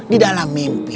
di dalam mimpi